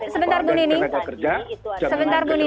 sebentar sebentar bu nining